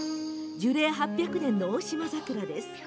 樹齢８００年のオオシマザクラです。